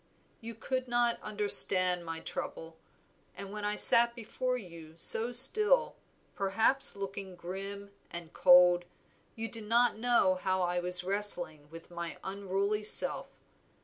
You could not understand my trouble, and when I sat before you so still, perhaps looking grim and cold, you did not know how I was wrestling with my unruly self.